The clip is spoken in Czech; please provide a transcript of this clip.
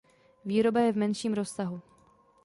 Výroba je v menším rozsahu.